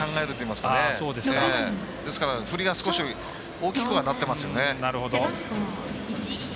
ですから、振りが少し大きくはなってますよね。